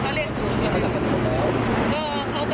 เขาเล่นอยู่หรือไง